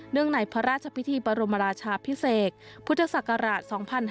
เนื่องในพระราชพิธีปรมราชาพิเศษพุทธศักราช๒๕๖๒